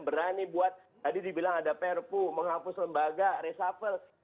berani buat tadi dibilang ada perpu menghapus lembaga resapel